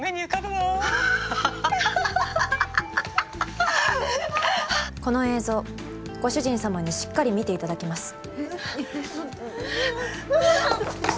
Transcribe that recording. ぞうご主人様にしっかり見ていただきます。